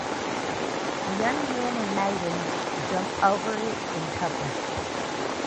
The young men and maidens jump over it in couples.